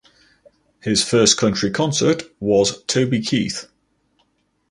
His first country concert was Toby Keith.